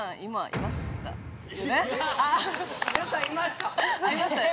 いました？